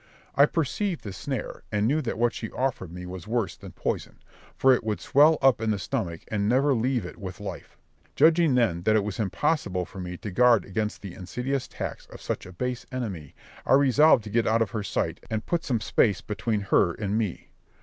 I perceived the snare, and knew that what she offered me was worse than poison, for it would swell up in the stomach, and never leave it with life. Judging then that it was impossible for me to guard against the insidious attacks of such a base enemy, I resolved to get out of her sight, and put some space between her and me.